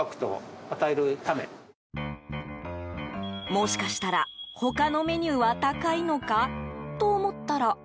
もしかしたら、他のメニューは高いのかと思ったら。